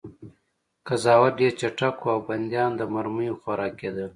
قضاوت ډېر چټک و او بندیان د مرمیو خوراک کېدل